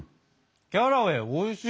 キャラウェイおいしい！